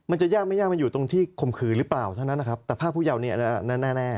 มันจะยากไม่ยากมันอยู่ตรงที่ข่มขืนหรือเปล่าเท่านั้นนะครับแต่ภาพผู้เยาว์เนี่ยแน่